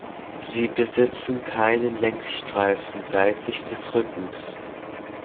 Sie besitzen keine Längsstreifen seitlich des Rückens.